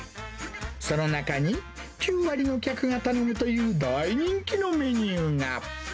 その中に、９割の客が頼むという大人気のメニューが。